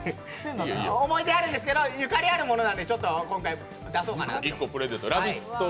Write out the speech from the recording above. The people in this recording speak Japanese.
思い出あるんですけどゆかりあるものなので出そうかなと。